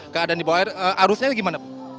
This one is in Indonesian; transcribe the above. keadaan di bawah air arusnya gimana